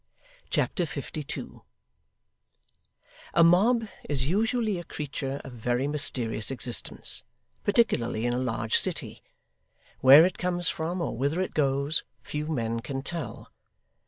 Chapter 52 A mob is usually a creature of very mysterious existence, particularly in a large city. Where it comes from or whither it goes, few men can tell.